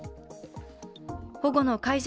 保護の解除